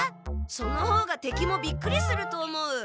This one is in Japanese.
その方がてきもびっくりすると思う。